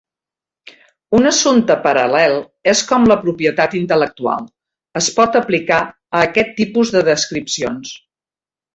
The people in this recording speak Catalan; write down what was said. Un assumpte paral·lel és com la propietat intel·lectual es pot aplicar a aquest tipus de descripcions.